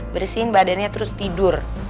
bersihin badannya terus tidur